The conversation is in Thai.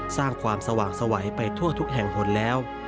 สร้างความสว่างสวัยไปทั่วทุกแห่งหนแล้ว